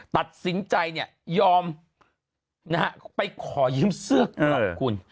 ตัดสินใจเนี่ยยอมนะฮะไปขอยืมเสื้อกลับคุณ